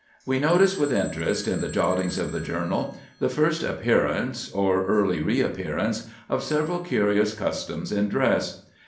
We notice with interest in the jottings of the journal the first appearance, or early reappearance, of several curious customs in dress.